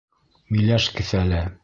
Миләш кеҫәле